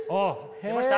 出ました？